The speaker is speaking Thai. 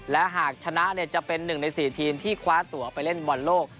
และหากชนะเนี่ยจะเป็นหนึ่งในสี่ทีมที่คว้าตั๋วไปเล่นบอลโลก